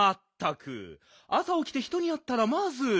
あさおきて人にあったらまず。